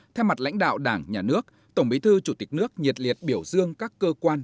theo mặt lãnh đạo đảng nhà nước tổng bí thư chủ tịch nước nhiệt liệt biểu dương các cơ quan